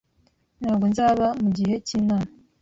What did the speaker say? Ntabwo nzaba mugihe cyinama.